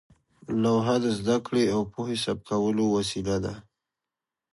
لوحه د زده کړې او پوهې ثبت کولو وسیله وه.